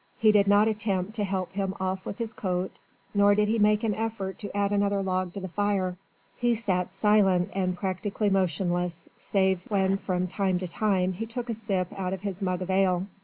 He did not attempt to help him off with his coat, nor did he make an effort to add another log to the fire. He sat silent and practically motionless, save when from time to time he took a sip out of his mug of ale.